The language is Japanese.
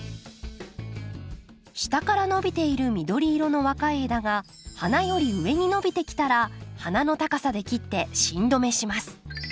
下から伸びている緑色の若い枝が花より上に伸びてきたら花の高さで切って芯止めします。